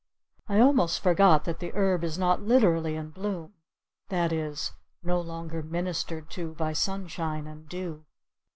I almost forget that the herb is not literally in bloom, that is, no longer ministered to by sunshine and dew.